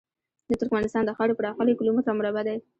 د ترکمنستان د خاورې پراخوالی کیلو متره مربع دی.